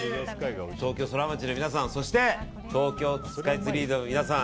東京ソラマチの皆さんそして東京スカイツリーの皆さん